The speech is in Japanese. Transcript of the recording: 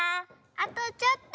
あとちょっと。